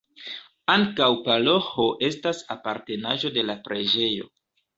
Ankaŭ la paroĥo estas apartenaĵo de la preĝejo.